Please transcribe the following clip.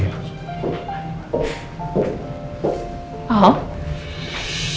mereka sudah semua tersinggung